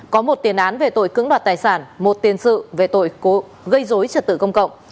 có một tiền án về tội cưỡng đoạt tài sản một tiền sự về tội gây dối trật tự công cộng